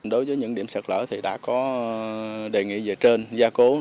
đối với những điểm sạt lở thì đã có đề nghị về trên gia cố